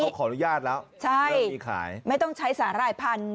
เขาขออนุญาตแล้วใช่มีขายไม่ต้องใช้สาหร่ายพันธ